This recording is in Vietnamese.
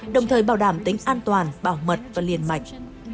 đồng thời bảo đảm tính an toàn bảo mật và liên mạch